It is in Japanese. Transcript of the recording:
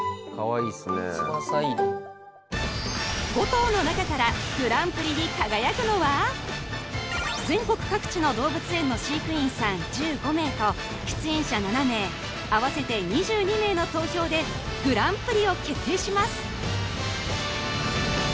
５頭の中から全国各地の動物園の飼育員さん１５名と出演者７名合わせて２２名の投票でグランプリを決定します